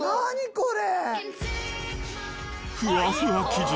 これ！